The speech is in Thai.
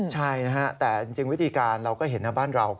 ใช่นะฮะแต่จริงวิธีการเราก็เห็นนะบ้านเรา